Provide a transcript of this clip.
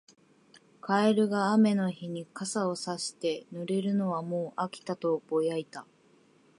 カエルが雨の日に傘をさして、「濡れるのはもう飽きた」とぼやいた。